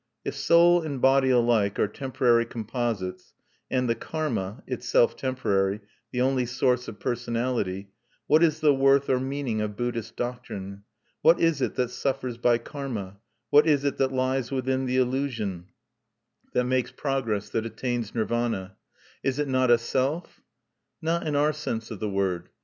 If soul and body alike are temporary composites, and the karma (itself temporary) the only source of personality, what is the worth or meaning of Buddhist doctrine? What is it that suffers by karma; what is it that lies within the illusion, that makes progress, that attains Nirvana? Is it not a self? Not in our sense of the word.